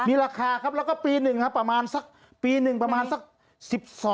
มีราคาครับแล้วก็ปีหนึ่งประมาณสัก๑๒คนเท่านั้นนะครับ